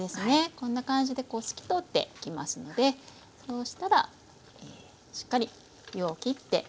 こんな感じで透き通ってきますのでそうしたらしっかり湯をきって下さい。